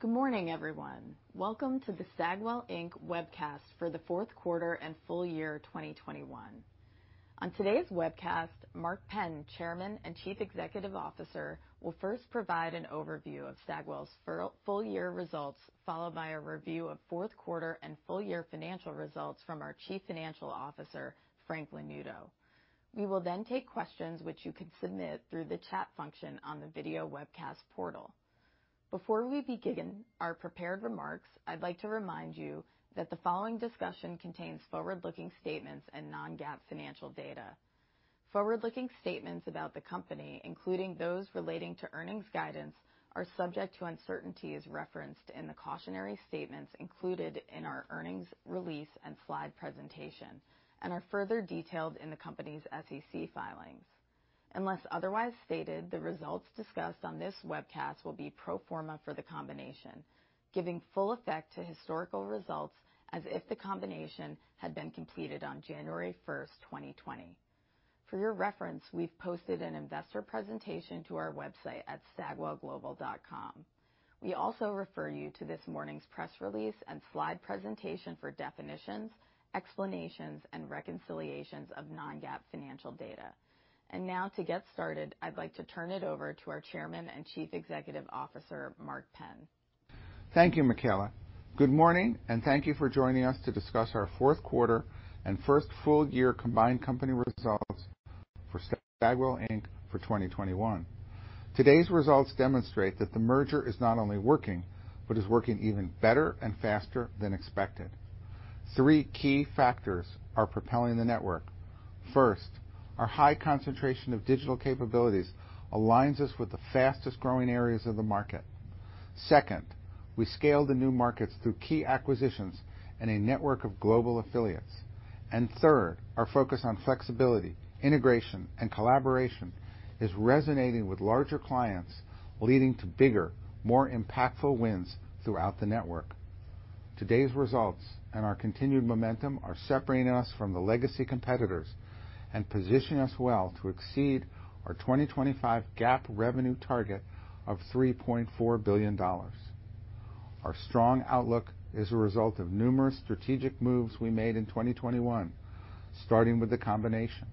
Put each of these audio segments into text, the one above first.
Good morning, everyone. Welcome to the Stagwell Inc. webcast for the fourth quarter and full year 2021. On today's webcast, Mark Penn, Chairman and Chief Executive Officer, will first provide an overview of Stagwell's full year results, followed by a review of fourth quarter and full year financial results from our Chief Financial Officer, Frank Lanuto. We will then take questions which you can submit through the chat function on the video webcast portal. Before we begin our prepared remarks, I'd like to remind you that the following discussion contains forward-looking statements and non-GAAP financial data. Forward-looking statements about the company, including those relating to earnings guidance, are subject to uncertainties referenced in the cautionary statements included in our earnings release and slide presentation and are further detailed in the company's SEC filings. Unless otherwise stated, the results discussed on this webcast will be pro forma for the combination, giving full effect to historical results as if the combination had been completed on January 1st, 2020. For your reference, we've posted an investor presentation to our website at stagwellglobal.com. We also refer you to this morning's press release and slide presentation for definitions, explanations, and reconciliations of non-GAAP financial data. Now to get started, I'd like to turn it over to our Chairman and Chief Executive Officer, Mark Penn. Thank you, Michaela. Good morning, and thank you for joining us to discuss our fourth quarter and first full year combined company results for Stagwell Inc. for 2021. Today's results demonstrate that the merger is not only working, but is working even better and faster than expected. Three key factors are propelling the network. First, our high concentration of digital capabilities aligns us with the fastest-growing areas of the market. Second, we scale the new markets through key acquisitions and a network of global affiliates. Third, our focus on flexibility, integration, and collaboration is resonating with larger clients, leading to bigger, more impactful wins throughout the network. Today's results and our continued momentum are separating us from the legacy competitors and position us well to exceed our 2025 GAAP revenue target of $3.4 billion. Our strong outlook is a result of numerous strategic moves we made in 2021, starting with the combination.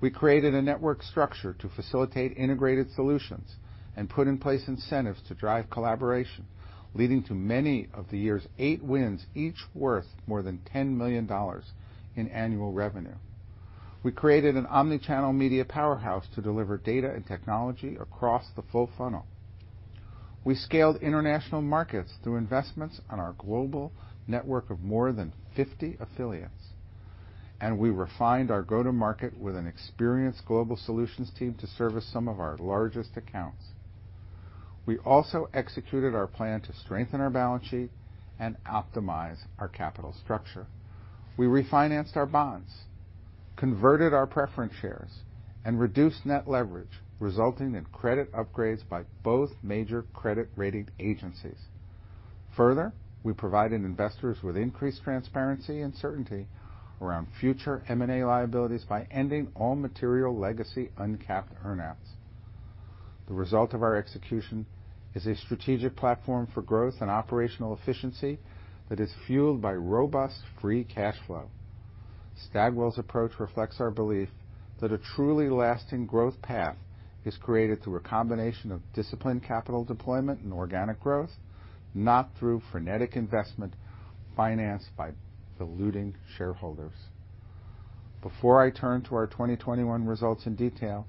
We created a network structure to facilitate integrated solutions and put in place incentives to drive collaboration, leading to many of the year's eight wins, each worth more than $10 million in annual revenue. We created an omnichannel media powerhouse to deliver data and technology across the full funnel. We scaled international markets through investments on our global network of more than 50 affiliates, and we refined our go-to-market with an experienced global solutions team to service some of our largest accounts. We also executed our plan to strengthen our balance sheet and optimize our capital structure. We refinanced our bonds, converted our preference shares, and reduced net leverage, resulting in credit upgrades by both major credit rating agencies. Further, we provided investors with increased transparency and certainty around future M&A liabilities by ending all material legacy uncapped earn-outs. The result of our execution is a strategic platform for growth and operational efficiency that is fueled by robust free cash flow. Stagwell's approach reflects our belief that a truly lasting growth path is created through a combination of disciplined capital deployment and organic growth, not through frenetic investment financed by diluting shareholders. Before I turn to our 2021 results in detail,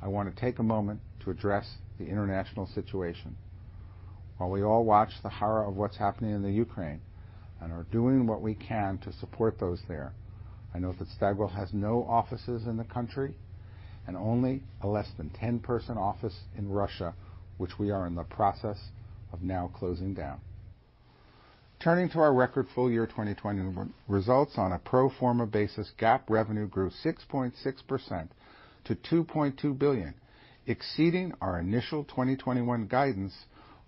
I want to take a moment to address the international situation. While we all watch the horror of what's happening in Ukraine and are doing what we can to support those there, I note that Stagwell has no offices in the country and only a less than 10-person office in Russia, which we are in the process of now closing down. Turning to our record full year 2020 results on a pro forma basis, GAAP revenue grew 6.6% to $2.2 billion, exceeding our initial 2021 guidance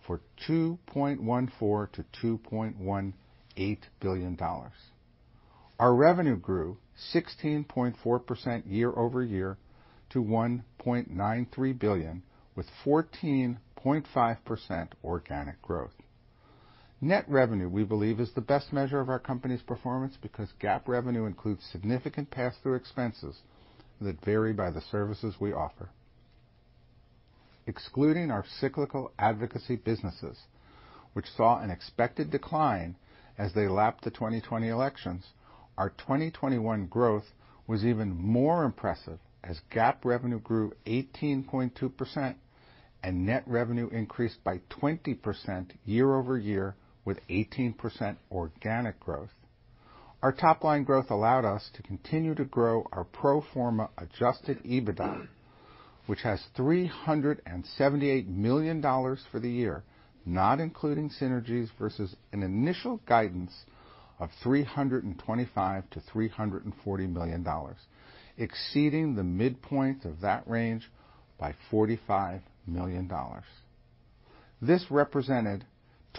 for $2.14 billion-$2.18 billion. Our revenue grew 16.4% year-over-year to $1.93 billion with 14.5% organic growth. Net revenue, we believe, is the best measure of our company's performance because GAAP revenue includes significant pass-through expenses that vary by the services we offer. Excluding our cyclical advocacy businesses, which saw an expected decline as they lapped the 2020 elections, our 2021 growth was even more impressive as GAAP revenue grew 18.2%, and net revenue increased by 20% year-over-year with 18% organic growth. Our top-line growth allowed us to continue to grow our pro forma adjusted EBITDA, which has $378 million for the year, not including synergies versus an initial guidance of $325 million-$340 million, exceeding the midpoint of that range by $45 million. This represented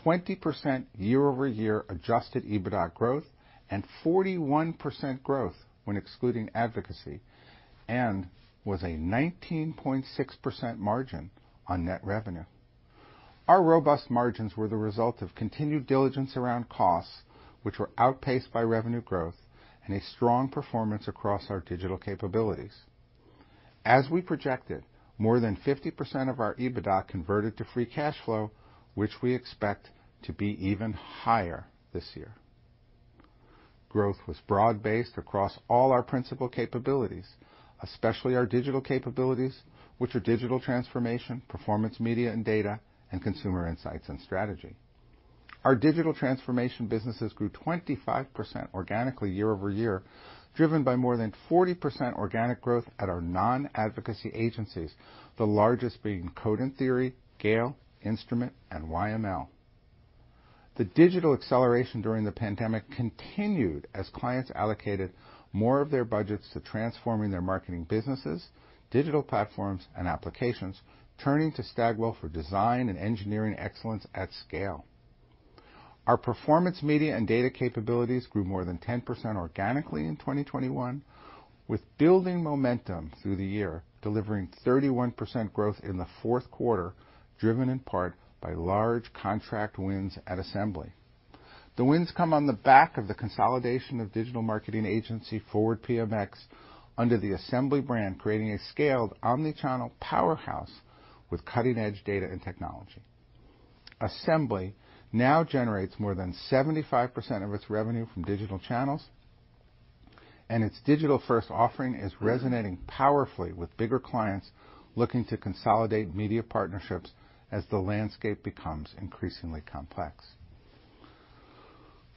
20% year-over-year adjusted EBITDA growth and 41% growth when excluding advocacy, and was a 19.6% margin on net revenue. Our robust margins were the result of continued diligence around costs which were outpaced by revenue growth and a strong performance across our digital capabilities. As we projected, more than 50% of our EBITDA converted to free cash flow, which we expect to be even higher this year. Growth was broad-based across all our principal capabilities, especially our digital capabilities, which are digital transformation, performance media and data, and consumer insights and strategy. Our digital transformation businesses grew 25% organically year-over-year, driven by more than 40% organic growth at our non-advocacy agencies, the largest being Code and Theory, GALE, Instrument, and YML. The digital acceleration during the pandemic continued as clients allocated more of their budgets to transforming their marketing businesses, digital platforms, and applications, turning to Stagwell for design and engineering excellence at scale. Our performance media and data capabilities grew more than 10% organically in 2021, with building momentum through the year, delivering 31% growth in the fourth quarter, driven in part by large contract wins at Assembly. The wins come on the back of the consolidation of digital marketing agency, ForwardPMX, under the Assembly brand, creating a scaled omni-channel powerhouse with cutting-edge data and technology. Assembly now generates more than 75% of its revenue from digital channels, and its digital-first offering is resonating powerfully with bigger clients looking to consolidate media partnerships as the landscape becomes increasingly complex.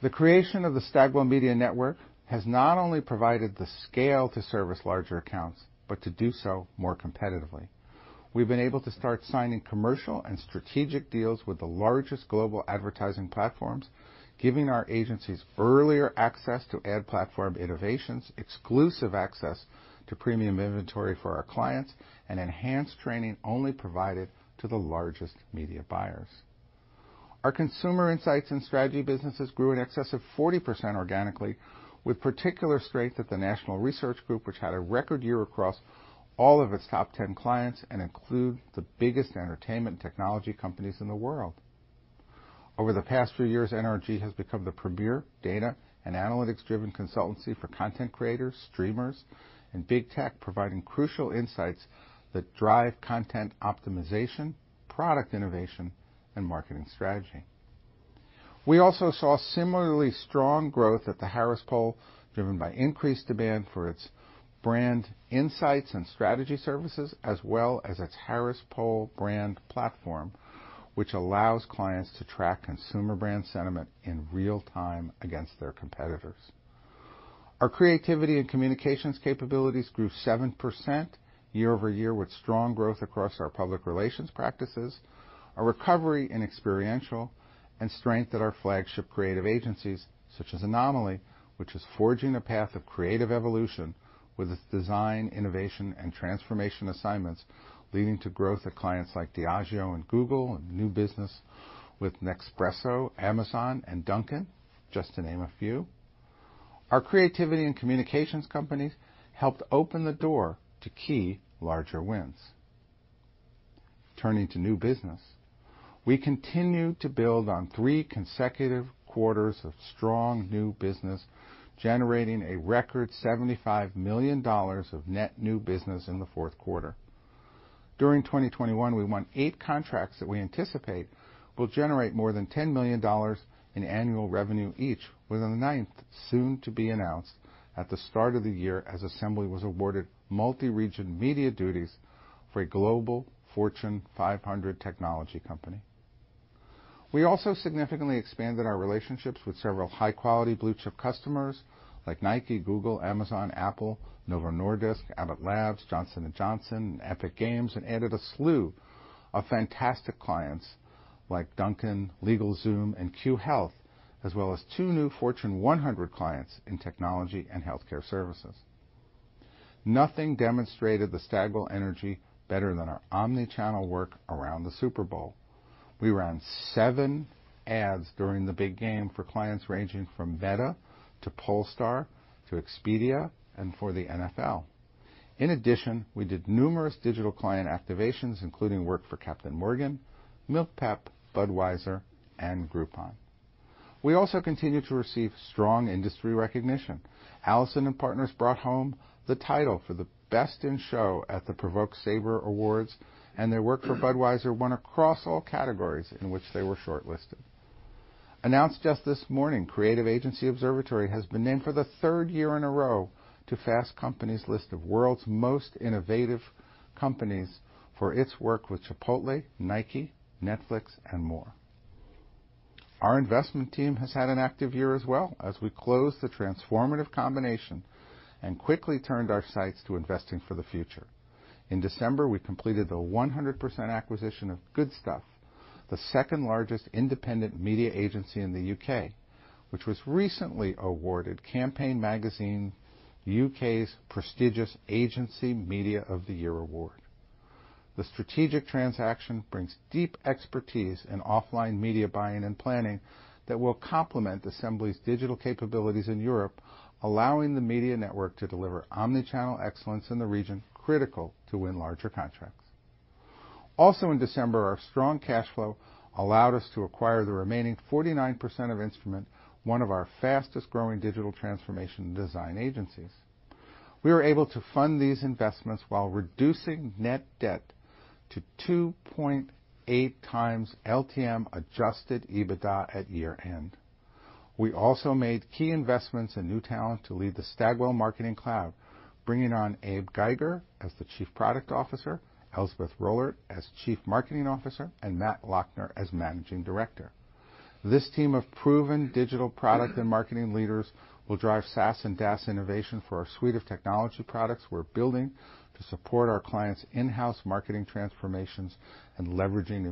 The creation of the Stagwell Media Network has not only provided the scale to service larger accounts, but to do so more competitively. We've been able to start signing commercial and strategic deals with the largest global advertising platforms, giving our agencies earlier access to ad-platform innovations, exclusive access to premium inventory for our clients, and enhanced training only provided to the largest media buyers. Our consumer insights and strategy businesses grew in excess of 40% organically, with particular strength at the National Research Group, which had a record year across all of its top 10 clients, including the biggest entertainment technology companies in the world. Over the past few years, NRG has become the premier data and analytics-driven consultancy for content creators, streamers, and big tech, providing crucial insights that drive content optimization, product innovation, and marketing strategy. We also saw similarly strong growth at The Harris Poll, driven by increased demand for its brand insights and strategy services, as well as its Harris Poll brand platform, which allows clients to track consumer brand sentiment in real-time against their competitors. Our creativity and communications capabilities grew 7% year-over-year with strong growth across our public relations practices, a recovery in experiential, and strength at our flagship creative agencies such as Anomaly, which is forging a path of creative evolution with its design, innovation, and transformation assignments, leading to growth at clients like Diageo and Google and new business with Nespresso, Amazon, and Dunkin', just to name a few. Our creativity and communications companies helped open the door to key larger wins. Turning to new business, we continued to build on three consecutive quarters of strong new business, generating a record $75 million of net new business in the fourth quarter. During 2021, we won eight contracts that we anticipate will generate more than $10 million in annual revenue each, with a ninth soon to be announced at the start of the year as Assembly was awarded multi-region media duties for a global Fortune 500 technology company. We also significantly expanded our relationships with several high-quality blue chip customers like Nike, Google, Amazon, Apple, Novo Nordisk, Abbott Labs, Johnson & Johnson, and Epic Games, and added a slew of fantastic clients like Dunkin', LegalZoom, and Cue Health, as well as two new Fortune 100 clients in technology and healthcare services. Nothing demonstrated the Stagwell energy better than our omnichannel work around the Super Bowl. We ran seven ads during the big game for clients ranging from Meta to Polestar to Expedia and for the NFL. In addition, we did numerous digital client activations, including work for Captain Morgan, MilkPEP, Budweiser, and Groupon. We also continued to receive strong industry recognition. Allison+Partners brought home the title for the Best in Show at the PRovoke SABRE Awards, and their work for Budweiser won across all categories in which they were shortlisted. Announced just this morning, Observatory has been named for the third year in a row to Fast Company's list of world's most innovative companies for its work with Chipotle, Nike, Netflix, and more. Our investment team has had an active year as well as we close the transformative combination and quickly turned our sights to investing for the future. In December, we completed the 100% acquisition of Goodstuff, the second largest independent media agency in the U.K., which was recently awarded Campaign Magazine U.K.'s prestigious Agency Media of the Year Award. The strategic transaction brings deep expertise in offline media buying and planning that will complement Assembly's digital capabilities in Europe, allowing the media network to deliver omnichannel excellence in the region critical to win larger contracts. Also, in December, our strong cash flow allowed us to acquire the remaining 49% of Instrument, one of our fastest-growing digital transformation design agencies. We were able to fund these investments while reducing net debt to 2.8x LTM adjusted EBITDA at year-end. We also made key investments in new talent to lead the Stagwell Marketing Cloud, bringing on Abe Geiger as the Chief Product Officer, Elspeth Rollert as Chief Marketing Officer, and Matt Lochner as Managing Director. This team of proven digital product and marketing leaders will drive SaaS and DaaS innovation for our suite of technology products we're building to support our clients' in-house marketing transformations and leveraging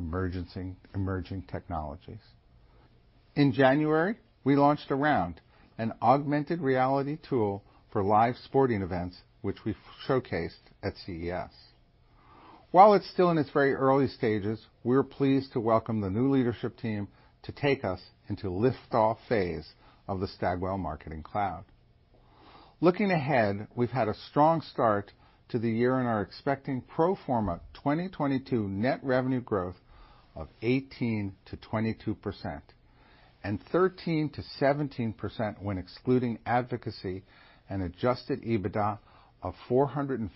emerging technologies. In January, we launched ARound, an augmented reality tool for live sporting events, which we've showcased at CES. While it's still in its very early stages, we're pleased to welcome the new leadership team to take us into lift-off phase of the Stagwell Marketing Cloud. Looking ahead, we've had a strong start to the year, and are expecting pro forma 2022 net revenue growth of 18%-22% and 13%-17% when excluding advocacy, and adjusted EBITDA of $450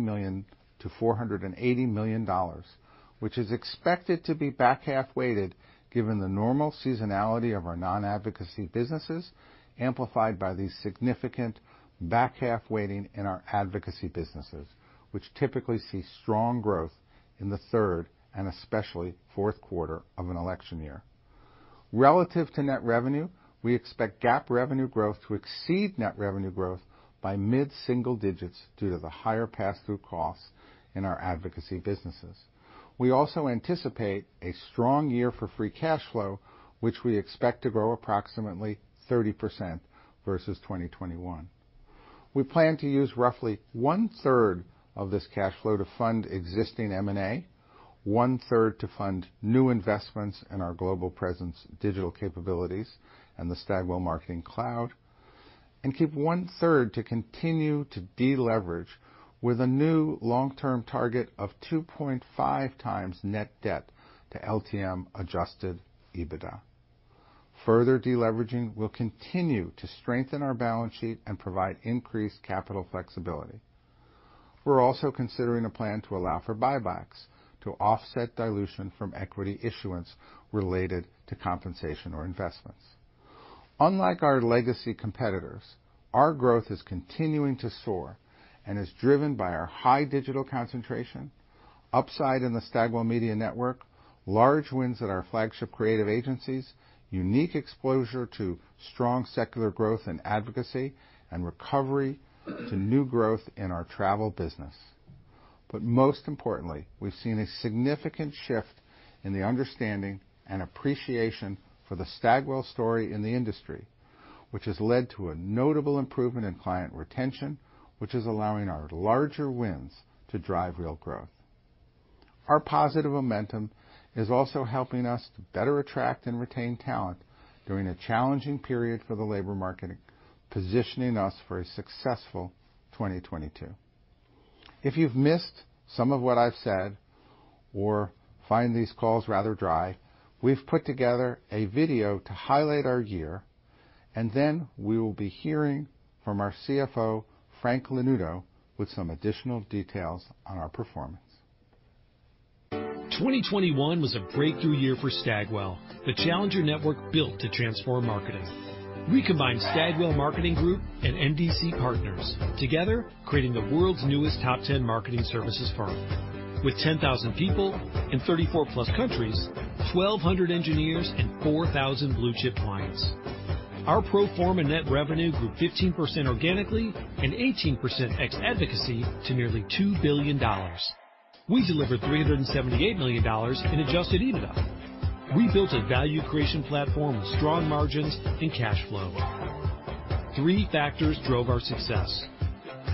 million-$480 million, which is expected to be back-half weighted given the normal seasonality of our non-advocacy businesses, amplified by the significant back-half weighting in our advocacy businesses, which typically see strong growth in the third and especially fourth quarter of an election year. Relative to net revenue, we expect GAAP revenue growth to exceed net revenue growth by mid-single digits due to the higher pass-through costs in our advocacy businesses. We also anticipate a strong year for free cash flow, which we expect to grow approximately 30% versus 2021. We plan to use roughly 1/3 of this cash flow to fund existing M&A, 1/3 to fund new investments in our global presence digital capabilities and the Stagwell Marketing Cloud, and keep 1/3 to continue to deleverage with a new long-term target of 2.5x net debt to LTM adjusted EBITDA. Further deleveraging will continue to strengthen our balance sheet and provide increased capital flexibility. We're also considering a plan to allow for buybacks to offset dilution from equity issuance related to compensation or investments. Unlike our legacy competitors, our growth is continuing to soar, and is driven by our high digital concentration, upside in the Stagwell Media Network, large wins at our flagship creative agencies, unique exposure to strong secular growth in advocacy, and recovery to new growth in our travel business. Most importantly, we've seen a significant shift in the understanding and appreciation for the Stagwell story in the industry, which has led to a notable improvement in client retention, which is allowing our larger wins to drive real growth. Our positive momentum is also helping us to better attract and retain talent during a challenging period for the labor market, positioning us for a successful 2022. If you've missed some of what I've said or find these calls rather dry, we've put together a video to highlight our year, and then we will be hearing from our CFO, Frank Lanuto, with some additional details on our performance. 2021 was a breakthrough year for Stagwell, the challenger network built to transform marketing. We combined Stagwell Marketing Group and MDC Partners, together creating the world's newest top 10 marketing services firm with 10,000 people in 34+ countries, 1,200 engineers, and 4,000 blue-chip clients. Our pro forma net revenue grew 15% organically and 18% ex advocacy to nearly $2 billion. We delivered $378 million in adjusted EBITDA. We built a value creation platform with strong margins and cash flow. Three factors drove our success.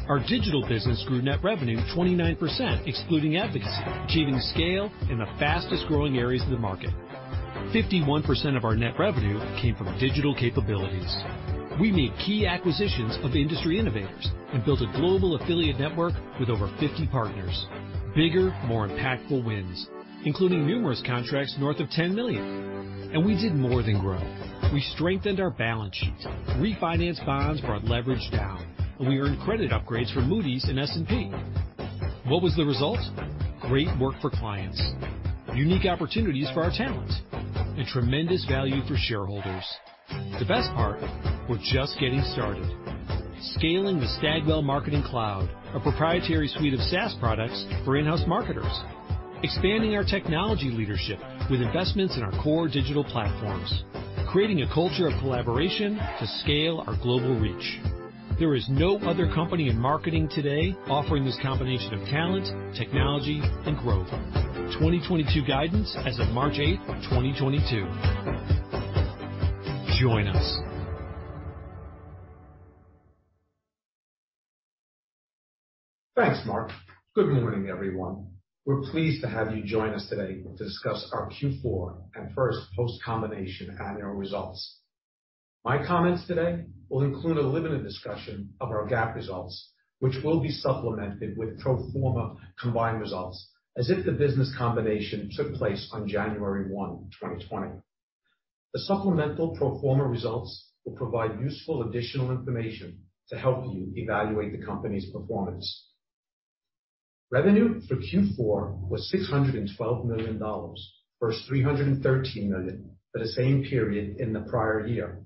Our digital business grew net revenue 29%, excluding advocacy, achieving scale in the fastest-growing areas of the market. 51% of our net revenue came from digital capabilities. We made key acquisitions of industry innovators and built a global affiliate network with over 50 partners. Bigger, more impactful wins, including numerous contracts north of $10 million. We did more than grow. We strengthened our balance sheet, refinanced bonds, brought leverage down, and we earned credit upgrades from Moody's and S&P. What was the result? Great work for clients, unique opportunities for our talent, and tremendous value for shareholders. The best part, we're just getting started. Scaling the Stagwell Marketing Cloud, our proprietary suite of SaaS products for in-house marketers. Expanding our technology leadership with investments in our core digital platforms. Creating a culture of collaboration to scale our global reach. There is no other company in marketing today offering this combination of talent, technology, and growth. 2022 guidance as of March 8th, 2022. Join us. Thanks, Mark. Good morning, everyone. We're pleased to have you join us today to discuss our Q4 and first post-combination annual results. My comments today will include a limited discussion of our GAAP results, which will be supplemented with pro forma combined results as if the business combination took place on January 1, 2020. The supplemental pro forma results will provide useful additional information to help you evaluate the company's performance. Revenue for Q4 was $612 million, versus $313 million for the same period in the prior year,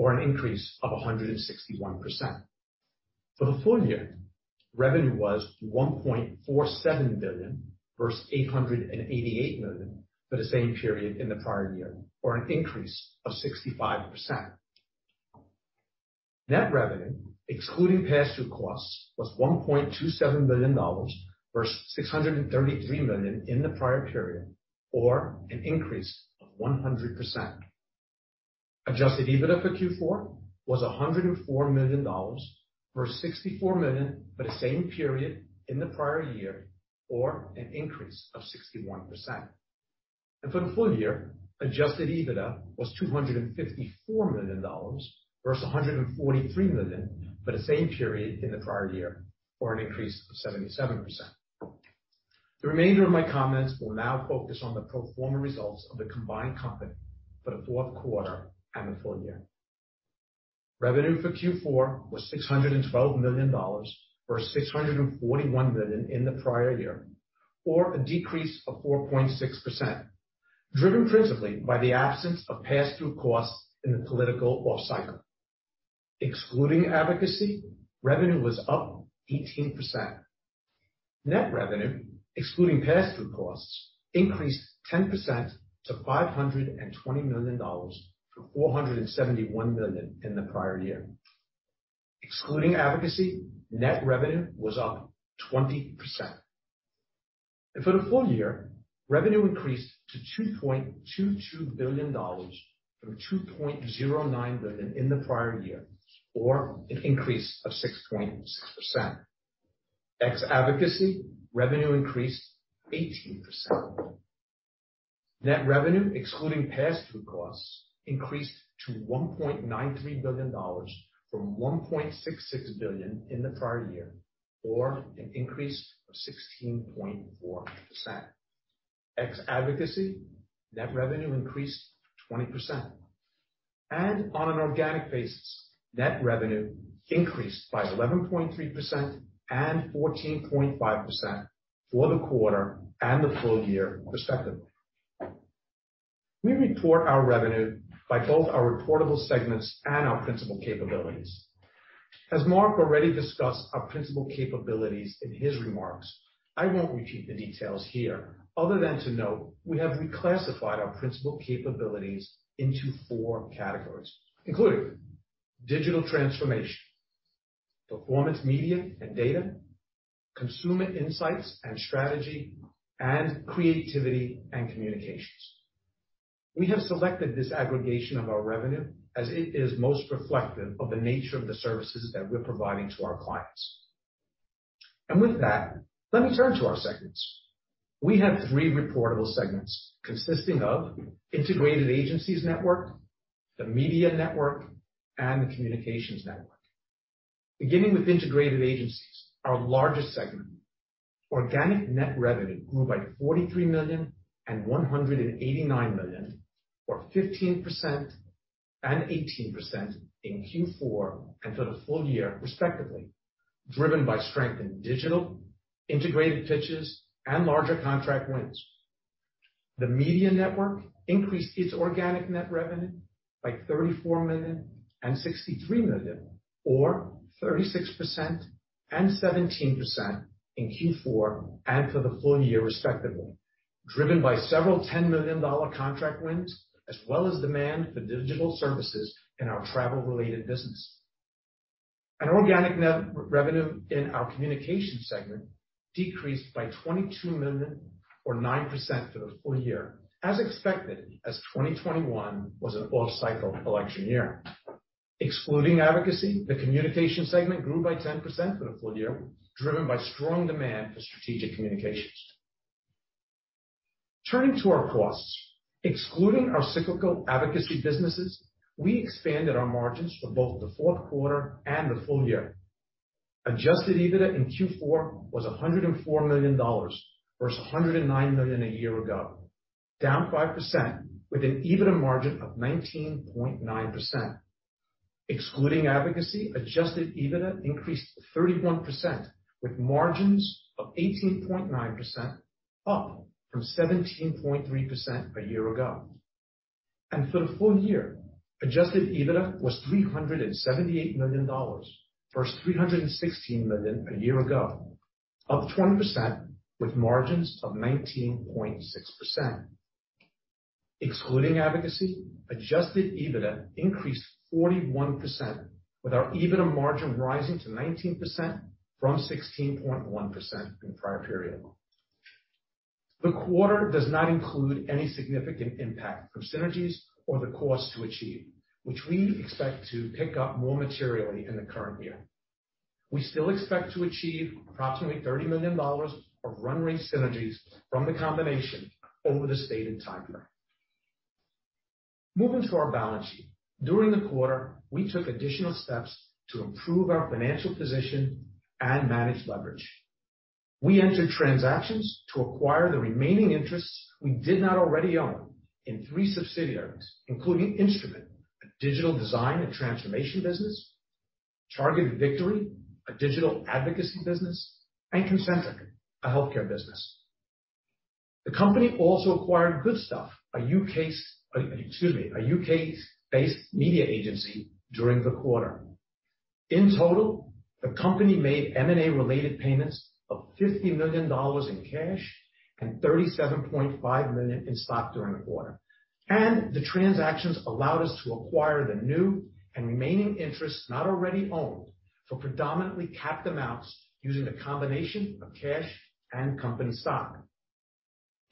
or an increase of 161%. For the full year, revenue was $1.47 billion versus $888 million for the same period in the prior year, or an increase of 65%. Net revenue excluding pass-through costs was $1.27 billion versus $633 million in the prior period, or an increase of 100%. Adjusted EBITDA for Q4 was $104 million, versus $64 million for the same period in the prior year, or an increase of 61%. For the full year, adjusted EBITDA was $254 million versus $143 million for the same period in the prior year, or an increase of 77%. The remainder of my comments will now focus on the pro forma results of the combined company for the fourth quarter and the full year. Revenue for Q4 was $612 million, versus $641 million in the prior year, or a decrease of 4.6%, driven principally by the absence of pass-through costs in the political off-cycle. Excluding advocacy, revenue was up 18%. Net revenue, excluding pass-through costs, increased 10% to $520 million from $471 million in the prior year. Excluding advocacy, net revenue was up 20%. For the full year, revenue increased to $2.22 billion from $2.09 billion in the prior year, or an increase of 6.6%. Excluding advocacy, revenue increased 18%. Net revenue, excluding pass-through costs, increased to $1.93 billion from $1.66 billion in the prior year, or an increase of 16.4%. Ex-advocacy net revenue increased 20%. On an organic basis, net revenue increased by 11.3% and 14.5% for the quarter and the full year respectively. We report our revenue by both our reportable segments and our principal capabilities. As Mark already discussed our principal capabilities in his remarks, I won't repeat the details here other than to note we have reclassified our principal capabilities into four categories, including digital transformation, performance media and data, consumer insights and strategy, and creativity and communications. We have selected this aggregation of our revenue as it is most reflective of the nature of the services that we're providing to our clients. With that, let me turn to our segments. We have three reportable segments consisting of Integrated Agencies Network, the Media Network, and the Communications Network. Beginning with Integrated Agencies, our largest segment, organic net revenue grew by $43 million and $189 million, or 15% and 18% in Q4 and for the full year respectively, driven by strength in digital, integrated pitches, and larger contract wins. The Media Network increased its organic net revenue by $34 million and $63 million, or 36% and 17% in Q4 and for the full year respectively, driven by several $10 million contract wins as well as demand for digital services in our travel-related business. Organic net revenue in our communication segment decreased by $22 million or 9% for the full year, as expected, as 2021 was an off-cycle election year. Excluding advocacy, the communication segment grew by 10% for the full year, driven by strong demand for strategic communications. Turning to our costs. Excluding our cyclical advocacy businesses, we expanded our margins for both the fourth quarter and the full year. Adjusted EBITDA in Q4 was $104 million versus $109 million a year ago, down 5% with an EBITDA margin of 19.9%. Excluding advocacy, adjusted EBITDA increased 31% with margins of 18.9%, up from 17.3% a year ago. For the full year, adjusted EBITDA was $378 million versus $316 million a year ago, up 20% with margins of 19.6%. Excluding advocacy, adjusted EBITDA increased 41%, with our EBITDA margin rising to 19% from 16.1% in the prior period. The quarter does not include any significant impact from synergies or the cost to achieve, which we expect to pick up more materially in the current year. We still expect to achieve approximately $30 million of run rate synergies from the combination over the stated time frame. Moving to our balance sheet. During the quarter, we took additional steps to improve our financial position and manage leverage. We entered transactions to acquire the remaining interests we did not already own in three subsidiaries, including Instrument, a digital design and transformation business, Targeted Victory, a digital advocacy business, and Concentric, a healthcare business. The company also acquired Goodstuff, a U.K.-based media agency during the quarter. In total, the company made M&A related payments of $50 million in cash and $37.5 million in stock during the quarter. The transactions allowed us to acquire the new and remaining interests not already owned for predominantly capped amounts using a combination of cash and company stock.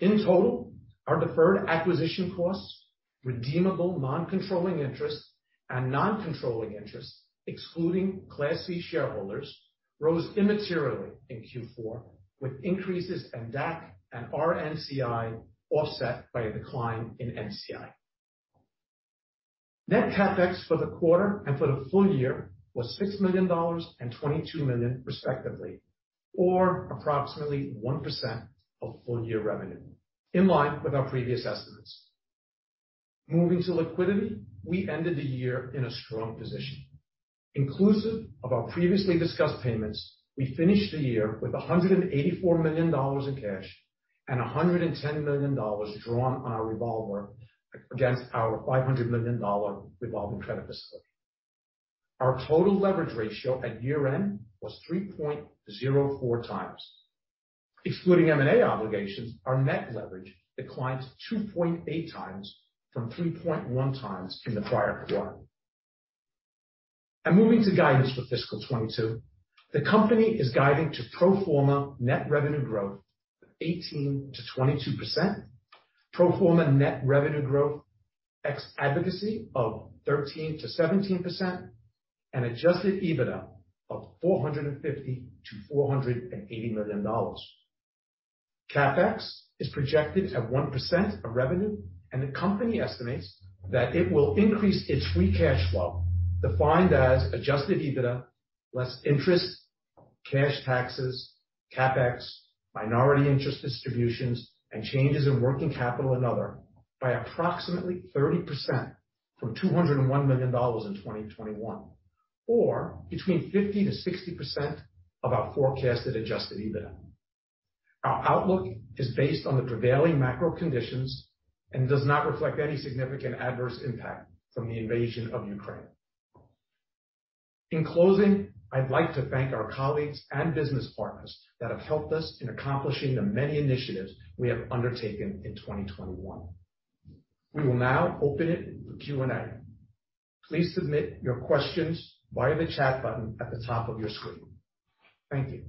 In total, our deferred acquisition costs, redeemable non-controlling interests and non-controlling interests, excluding Class C shareholders, rose immaterially in Q4, with increases in DAC and RNCI offset by a decline in NCI. Net CapEx for the quarter and for the full year was $6 million and $22 million respectively, or approximately 1% of full year revenue, in line with our previous estimates. Moving to liquidity. We ended the year in a strong position. Inclusive of our previously discussed payments, we finished the year with $184 million in cash and $110 million drawn on our revolver against our $500 million revolving credit facility. Our total leverage ratio at year-end was 3.04x. Excluding M&A obligations, our net leverage declined 2.8x from 3.1x in the prior quarter. Moving to guidance for fiscal 2022. The company is guiding to pro forma net revenue growth of 18%-22%, pro forma net revenue growth ex advocacy of 13%-17%, and adjusted EBITDA of $450 million-$480 million. CapEx is projected at 1% of revenue, and the company estimates that it will increase its free cash flow, defined as adjusted EBITDA less interest, cash taxes, CapEx, minority interest distributions, and changes in working capital and other, by approximately 30% from $201 million in 2021, or between 50%-60% of our forecasted adjusted EBITDA. Our outlook is based on the prevailing macro conditions and does not reflect any significant adverse impact from the invasion of Ukraine. In closing, I'd like to thank our colleagues and business partners that have helped us in accomplishing the many initiatives we have undertaken in 2021. We will now open it to Q&A. Please submit your questions via the chat button at the top of your screen. Thank you.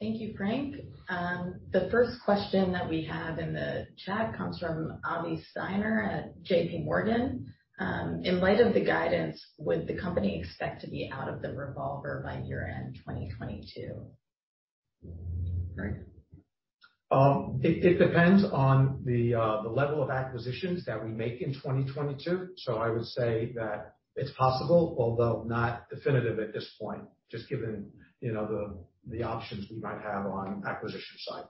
Thank you, Frank. The first question that we have in the chat comes from Avi Steiner at J.P. Morgan. In light of the guidance, would the company expect to be out of the revolver by year-end 2022? Frank? It depends on the level of acquisitions that we make in 2022. I would say that it's possible, although not definitive at this point, just given, you know, the options we might have on acquisition side.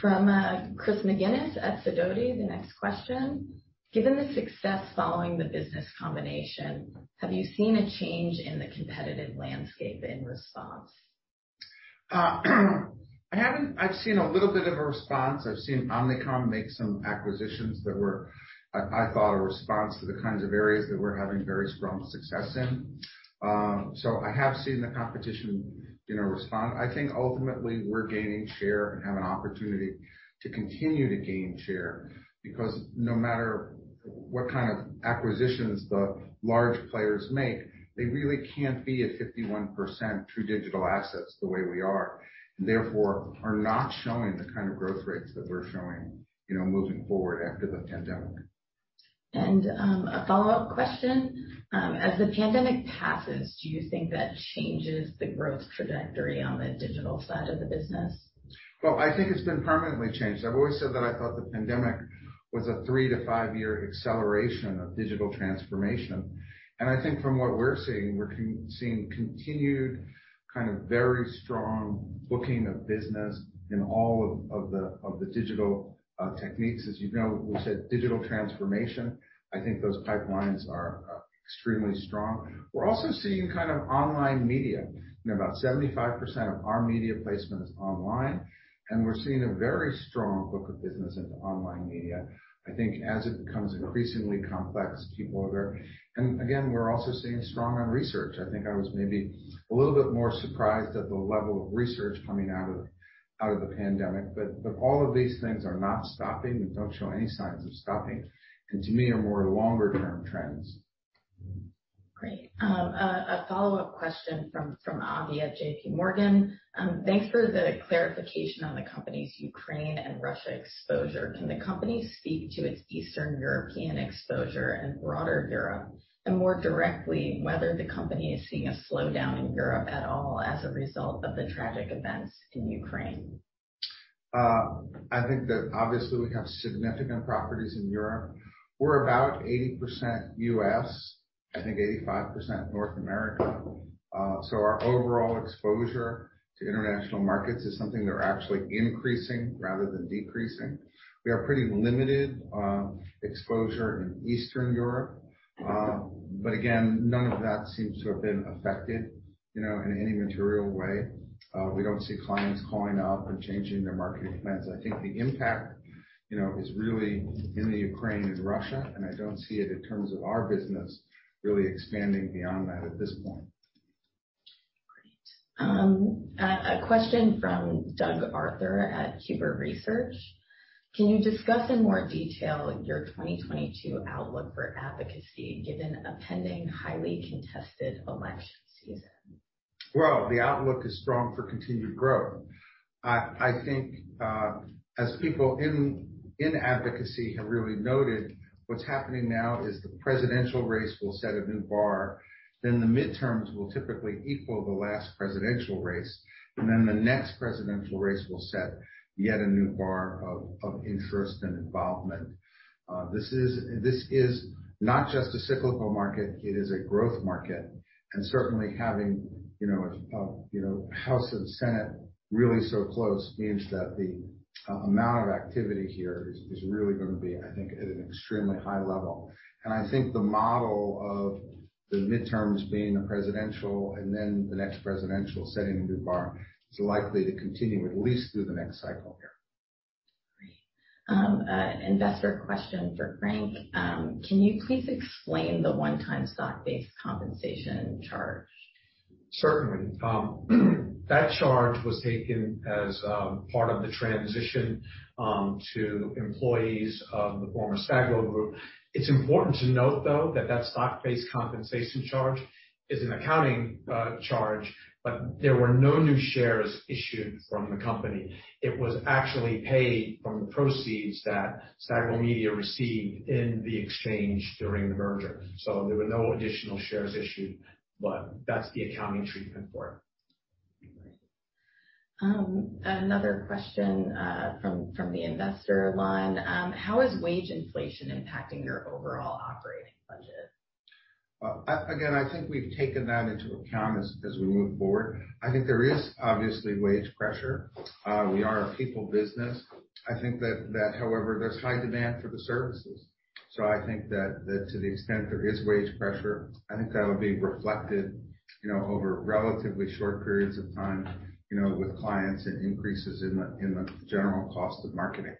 From Chris McGinnis at Sidoti, the next question. Given the success following the business combination, have you seen a change in the competitive landscape in response? I haven't. I've seen a little bit of a response. I've seen Omnicom make some acquisitions that were, I thought a response to the kinds of areas that we're having very strong success in. I have seen the competition, you know, respond. I think ultimately we're gaining share and have an opportunity to continue to gain share because no matter what kind of acquisitions the large players make, they really can't be at 51% true digital assets the way we are, and therefore are not showing the kind of growth rates that we're showing, you know, moving forward after the pandemic. A follow-up question. As the pandemic passes, do you think that changes the growth trajectory on the digital side of the business? Well, I think it's been permanently changed. I've always said that I thought the pandemic was a three to five year acceleration of digital transformation. I think from what we're seeing, we're seeing continued kind of very strong booking of business in all of the digital techniques. As you know, we said digital transformation. I think those pipelines are extremely strong. We're also seeing kind of online media, you know, about 75% of our media placement is online, and we're seeing a very strong book of business into online media. I think as it becomes increasingly complex, people are very. We're also seeing strong on research. I think I was maybe a little bit more surprised at the level of research coming out of the pandemic. all of these things are not stopping and don't show any signs of stopping, and to me, are more longer term trends. Great. A follow-up question from Avi Steiner at JP Morgan. Thanks for the clarification on the company's Ukraine and Russia exposure. Can the company speak to its Eastern European exposure and broader Europe, and more directly, whether the company is seeing a slowdown in Europe at all as a result of the tragic events in Ukraine? I think that obviously we have significant properties in Europe. We're about 80% U.S., I think 85% North America. Our overall exposure to international markets is something that we're actually increasing rather than decreasing. We have pretty limited exposure in Eastern Europe. Again, none of that seems to have been affected, you know, in any material way. We don't see clients calling up and changing their marketing plans. I think the impact, you know, is really in the Ukraine and Russia, and I don't see it in terms of our business really expanding beyond that at this point. Great. A question from Doug Arthur at Huber Research. Can you discuss in more detail your 2022 outlook for advocacy given a pending highly contested election season? Well, the outlook is strong for continued growth. I think, as people in advocacy have really noted, what's happening now is the presidential race will set a new bar, then the midterms will typically equal the last presidential race, and then the next presidential race will set yet a new bar of interest and involvement. This is not just a cyclical market, it is a growth market. Certainly having a House and Senate really so close means that the amount of activity here is really gonna be, I think, at an extremely high level. I think the model of the midterms being the presidential and then the next presidential setting a new bar is likely to continue at least through the next cycle here. Great. An investor question for Frank. Can you please explain the one-time stock-based compensation charge? Certainly. That charge was taken as part of the transition to employees of the former Stagwell group. It's important to note, though, that that stock-based compensation charge is an accounting charge, but there were no new shares issued from the company. It was actually paid from the proceeds that Stagwell Media received in the exchange during the merger. There were no additional shares issued, but that's the accounting treatment for it. Great. Another question from the investor line. How is wage inflation impacting your overall operating budget? Again, I think we've taken that into account as we move forward. I think there is obviously wage pressure. We are a people business. I think that however, there's high demand for the services. I think that to the extent there is wage pressure, I think that'll be reflected, you know, over relatively short periods of time, you know, with clients and increases in the general cost of marketing.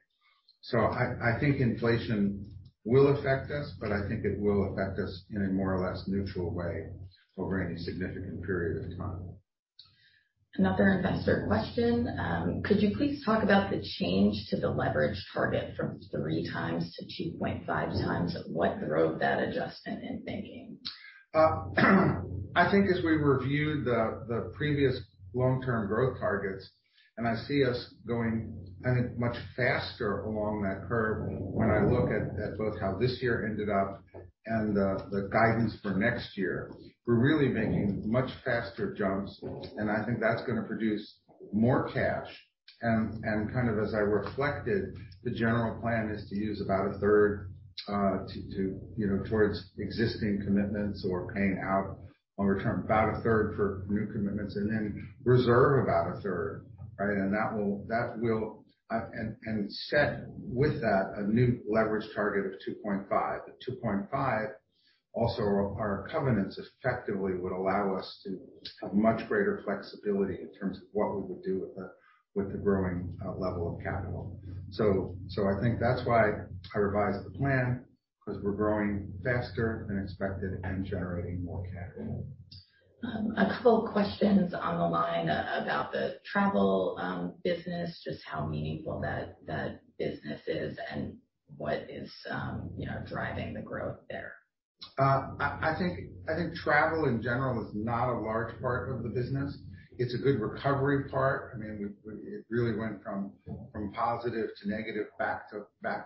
I think inflation will affect us, but I think it will affect us in a more or less neutral way over any significant period of time. Another investor question. Could you please talk about the change to the leverage target from 3x to 2.5x? What drove that adjustment in thinking? I think as we reviewed the previous long-term growth targets, I see us going much faster along that curve when I look at both how this year ended up and the guidance for next year. We're really making much faster jumps, and I think that's gonna produce more cash. Kind of as I reflected, the general plan is to use about 1/3, you know, towards existing commitments or paying out on return, about a third for new commitments, and then reserve about 1/3, right? That will set with that a new leverage target of 2.5. At 2.5, also our covenants effectively would allow us to have much greater flexibility in terms of what we would do with the growing level of capital. I think that's why I revised the plan, 'cause we're growing faster than expected and generating more capital. A couple of questions on the line about the travel business, just how meaningful that business is and what is, you know, driving the growth there. I think travel in general is not a large part of the business. It's a good recovery part. I mean, it really went from positive to negative, back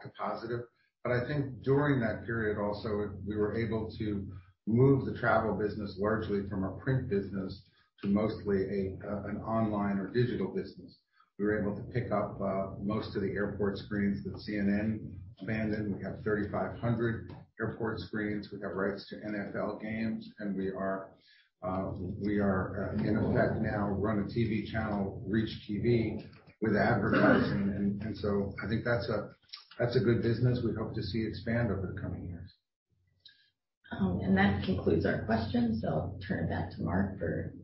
to positive. I think during that period also, we were able to move the travel business largely from a print business to mostly an online or digital business. We were able to pick up most of the airport screens that CNN abandoned. We have 3,500 airport screens. We have rights to NFL games, and we now run a TV channel, ReachTV, with advertising. I think that's a good business we hope to see expand over the coming years. That concludes our questions, so I'll turn it back to Mark for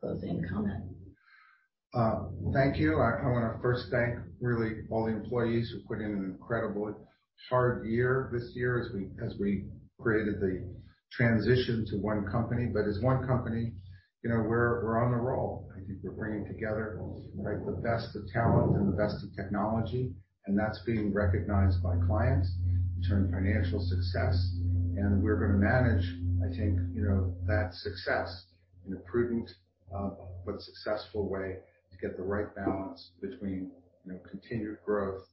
closing comments. Thank you. I wanna first thank really all the employees who put in an incredibly hard year this year as we created the transition to one company. As one company, you know, we're on a roll. I think we're bringing together, right, the best of talent and the best of technology, and that's being recognized by clients, which is in financial success. We're gonna manage, I think, you know, that success in a prudent, but successful way to get the right balance between, you know, continued growth,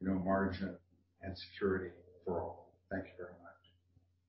you know, margin and security for all. Thank you very much.